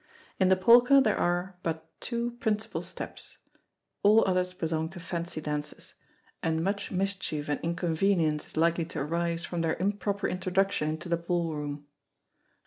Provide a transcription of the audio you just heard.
In the polka there an but two principal steps, all others belong to fancy dances, and much mischief and inconvenience is likely to arise from their improper introduction into the ball room.